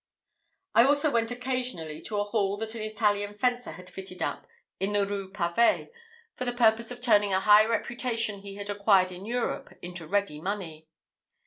I also went occasionally to a hall that an Italian fencer had fitted up in the Rue Pavée for the purpose of turning a high reputation he had acquired in Europe into ready money.